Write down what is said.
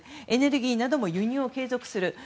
エネルギーなども輸入を継続する。